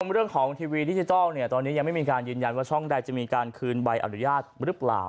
เรื่องของทีวีดิจิทัลเนี่ยตอนนี้ยังไม่มีการยืนยันว่าช่องใดจะมีการคืนใบอนุญาตหรือเปล่า